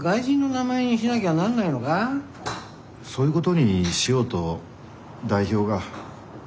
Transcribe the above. そういうことにしようと代表が。